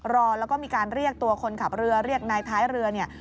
รอแล้วก็มีการเรียกตัวคนขับเรือเรียกนายท้ายเรือเนี่ย